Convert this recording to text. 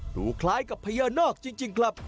ดูคล้ายกับพญานาคต์